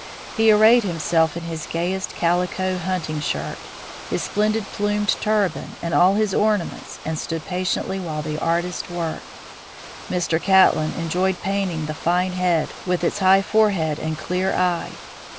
He arrayed himself in his gayest calico hunting shirt, his splendid plumed turban, and all his ornaments, and stood patiently while the artist worked. Mr. Catlin enjoyed painting the fine head, with its high forehead and clear eye.